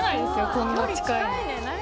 こんな近いの。